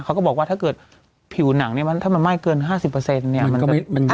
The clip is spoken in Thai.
เขาก็บอกว่าถ้าเกิดผิวหนังเนี้ยมันถ้ามันไหม้เกินห้าสิบเปอร์เซ็นต์เนี้ยมันก็ไม่มันยาก